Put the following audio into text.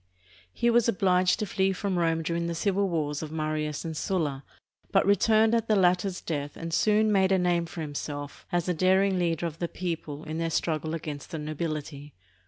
He was obliged to flee from Rome during the civil wars of Marius and Sulla, but returned at the latter's death and soon made a name for himself as a daring leader of the people in their struggle against the nobility.